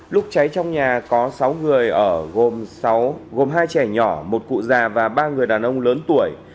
lúc cháy trong nhà có sáu người ở gồm hai trẻ nhỏ một cụ già và ba người đàn ông lớn tuổi